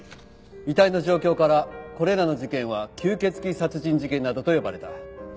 遺体の状況からこれらの事件は吸血鬼殺人事件などと呼ばれた。